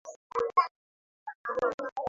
Kiswahili huwachanganya watu sana